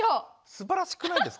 すばらしくないですか？